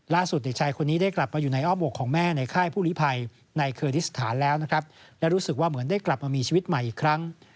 เด็กชายคนนี้ได้กลับมาอยู่ในอ้อมอกของแม่ในค่ายผู้ลิภัยในเคอร์ดิสถานแล้วนะครับและรู้สึกว่าเหมือนได้กลับมามีชีวิตใหม่อีกครั้ง